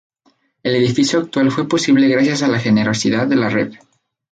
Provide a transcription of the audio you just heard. El edificio actual fue posible gracias a la generosidad de la Rev.